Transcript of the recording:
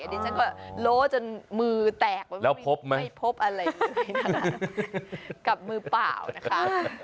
ดิฉันก็โล้จนมือแตกแล้วไม่พบอะไรเลยนะคะกับมือเปล่านะคะ